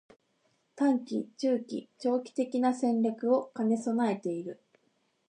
③ 短期、中期、長期的な戦略を兼ね備えている